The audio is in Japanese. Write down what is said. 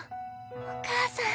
お母さん！